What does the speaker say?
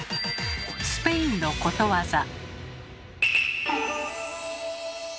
スペインのことわざ。